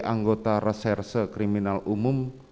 anggota reserse kriminal umum